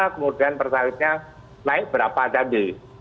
kemudian pertalitnya naik berapa tadi